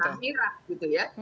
kita akan berakhirah gitu ya